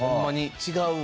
違うわ。